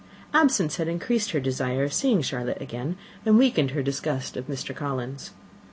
Absence had increased her desire of seeing Charlotte again, and weakened her disgust of Mr. Collins.